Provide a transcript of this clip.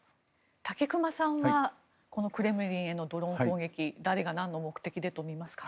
武隈さんはこのクレムリンへのドローン攻撃誰がなんの目的でと見ますか？